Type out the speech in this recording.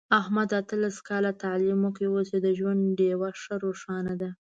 احمد اتلس کاله تعلیم وکړ، اوس یې د ژوند ډېوه ښه روښانه ده.